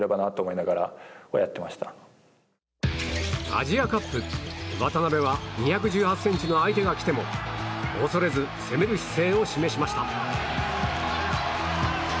アジアカップ、渡邊は２１８ｃｍの相手が来ても恐れず攻める姿勢を示しました。